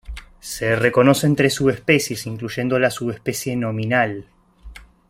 Se reconocen tres subespecies, incluyendo la subespecie nominal.